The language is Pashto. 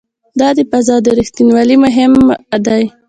دا د فضا د ریښتینولي لپاره مهم دی.